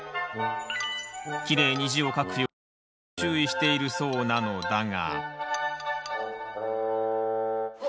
きれいに字を書くよう何度も注意しているそうなのだが。